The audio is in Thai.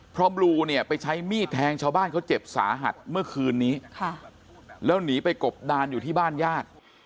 เพราะบลูเนี่ยไปใช้มีดแทงชาวบ้านเขาเจ็บสาหัสเมื่อคืนนี้แล้วหนีไปกบดานอยู่ที่บ้านญาติ